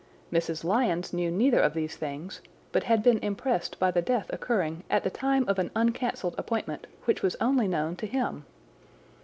Mrs. Lyons knew neither of these things, but had been impressed by the death occurring at the time of an uncancelled appointment which was only known to him.